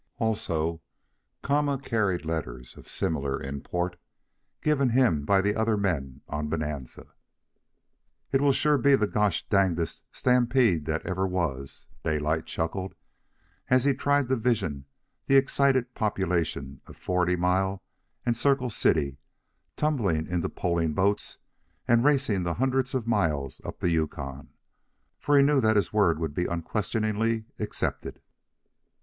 Also Kama carried letters of similar import, given him by the other men on Bonanza. "It will sure be the gosh dangdest stampede that ever was," Daylight chuckled, as he tried to vision the excited populations of Forty Mile and Circle City tumbling into poling boats and racing the hundreds of miles up the Yukon; for he knew that his word would be unquestioningly accepted.